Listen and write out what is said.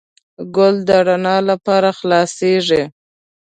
ګل د رڼا لپاره خلاصیږي.